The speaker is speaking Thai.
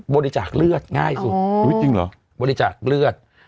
บริจากเลือดง่ายสุดบริจากเลือด